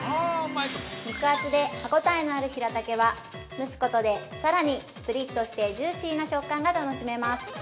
肉厚で歯応えのあるひらたけは蒸すことで、さらにぷりっとしてジューシーな食感が楽しめます。